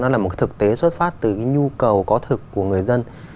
nó là một thực tế xuất phát từ cái nhu cầu có thực của người dân